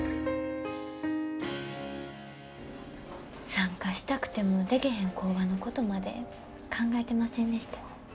参加したくてもでけへん工場のことまで考えてませんでした。